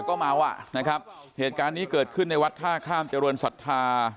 ก็เมาอ่ะนะครับเหตุการณ์นี้เกิดขึ้นในวัดท่าข้ามเจริญศรัทธา